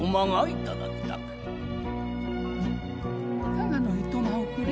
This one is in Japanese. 「永のいとまをくれ。